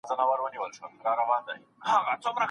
د غونډیو لوړي څوکي او جګ غرونه